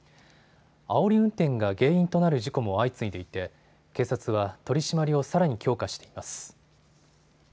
あおり運転が原因となる事故も相次いでいて警察は取締りをさらに強化しています。